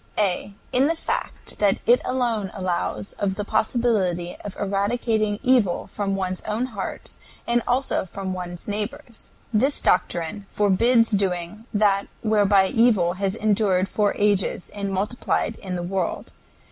A. In the fact that it alone allows of the possibility of eradicating evil from one's own heart, and also from one's neighbor's. This doctrine forbids doing that whereby evil has endured for ages and multiplied in the world.